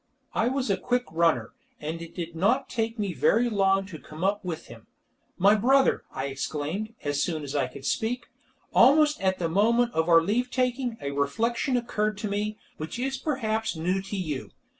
I was a quick runner, and it did not take me very long to come up with him. "My brother," I exclaimed, as soon as I could speak, "almost at the moment of our leave taking, a reflection occurred to me, which is perhaps new to you.